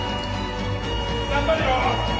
頑張るよ！